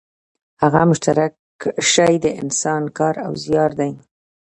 هغه مشترک شی د انسان کار او زیار دی